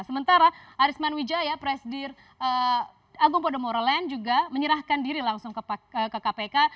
sementara arisman wijaya presidir agung podomoro land juga menyerahkan diri langsung ke kpk